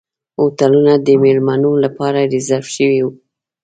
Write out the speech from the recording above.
هوټلونه د میلمنو لپاره ریزرف شوي وو.